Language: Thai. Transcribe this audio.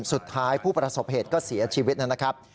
สุดท้ายผู้ประสบเหตุก็เสียชีวิตนั้นนะครับ